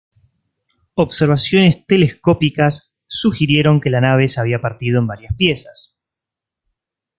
Observaciones telescópicas sugirieron que la nave se había partido en varias piezas.